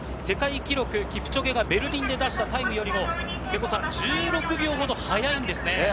世界記録、キプチョゲがベルリンで出したタイムよりも１６秒ほど速いんですね。